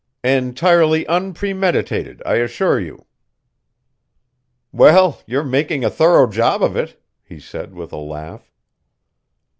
"Entirely unpremeditated, I assure you." "Well, you're making a thorough job of it," he said with a laugh.